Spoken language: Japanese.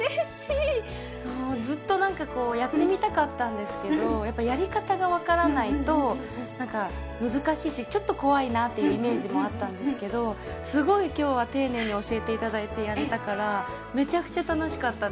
ずっとなんかこうやってみたかったんですけどやっぱやり方が分からないとなんか難しいしちょっと怖いなっていうイメージもあったんですけどすごい今日は丁寧に教えて頂いてやれたからめちゃくちゃ楽しかったです。